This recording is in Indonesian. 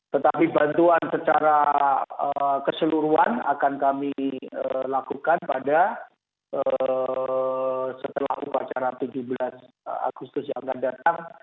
tetapi bantuan secara keseluruhan akan kami lakukan pada setelah upacara tujuh belas agustus yang akan datang